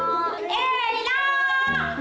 mak mau ngapa sih mak